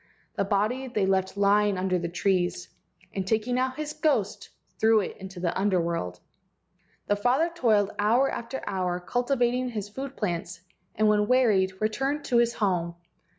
The body they left lying under the trees, and taking out his ghost threw it into the Under world. The father toiled hour after hour cultivating his food plants, and when wearied returned to his home.